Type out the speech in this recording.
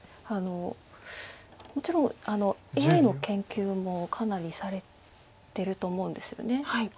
もちろんＡＩの研究もかなりされてると思うんですよね。